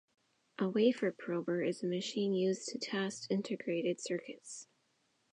A wafer prober is a machine used to test integrated circuits.